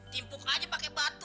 timpuk aja pake batu